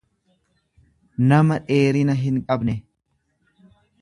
nama dheerina hinqabne.